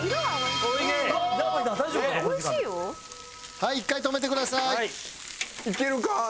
はい１回止めてください。